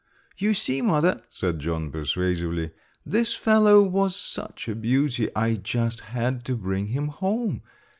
You see, mother," said John, persuasively, "this fellow was such a beauty I just had to bring him home.